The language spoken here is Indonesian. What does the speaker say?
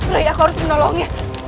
rai aku harus menolongnya